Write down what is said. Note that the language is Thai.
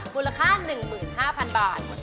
มูลค่า๑๕๐๐๐บาท